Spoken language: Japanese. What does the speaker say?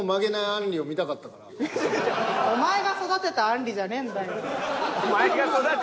「お前が育てたあんりじゃねぇんだよ」。